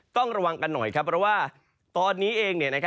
ต้องระวังกันหน่อยครับเพราะว่าตอนนี้เอง